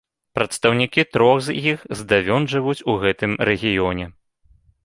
Прадстаўнікі трох з іх здавён жывуць у гэтым рэгіёне.